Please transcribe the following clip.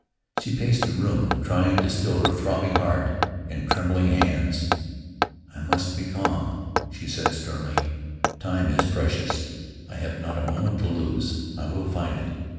She paced the room, trying to still her throbbing heart and trembling hands. "I must be calm," she said sternly. "Time is precious. I have not a moment to lose. I will find him.